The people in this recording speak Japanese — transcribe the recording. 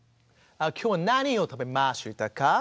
「今日は何を食べましたか？」。